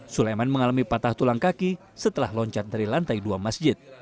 suleman mengalami patah tulang kaki setelah loncat dari lantai dua masjid